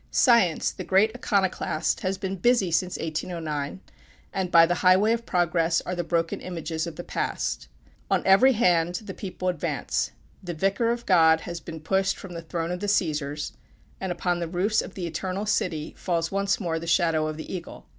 Science, the great Iconoclast, has been busy since 1809, and by the highway of Progress are the broken images of the Past. On every hand the people advance. The Vicar of God has been pushed from the throne of the Cæsars, and upon the roofs of the Eternal City falls once more the shadow of the Eagle.